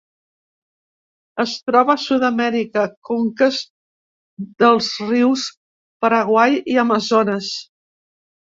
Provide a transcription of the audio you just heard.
Es troba a Sud-amèrica: conques dels rius Paraguai i Amazones.